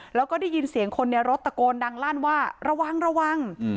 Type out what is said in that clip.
แล้วก็ได้ยินเสียงคนในรถตะโกนดังลั่นว่าระวังระวัง